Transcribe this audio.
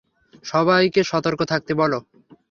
সবাইকে সতর্ক থাকতে বলো।